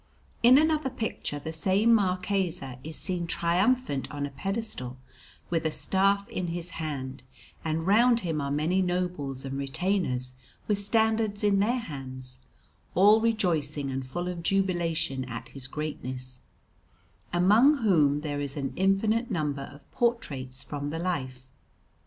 In another picture the same Marquis is seen triumphant on a pedestal, with a staff in his hand; and round him are many nobles and retainers with standards in their hands, all rejoicing and full of jubilation at his greatness, among whom there is an infinite number of portraits from the life.